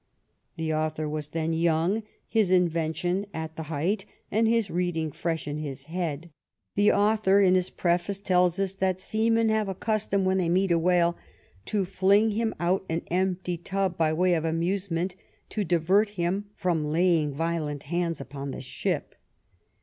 " The author was then young, his inven tion at the height, and his reading fresh in his head." The author, in his preface, tells us that ^' seamen have a custom, when they meet a whale, to fling him out an empty tub by way of amusement, to divert him from laying violent hands upon the ship."